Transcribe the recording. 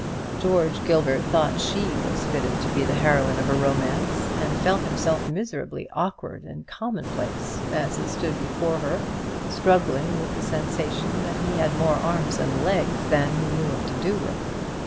George Gilbert thought she was fitted to be the heroine of a romance, and felt himself miserably awkward and commonplace as he stood before her, struggling with the sensation that he had more arms and legs than he knew what to do with.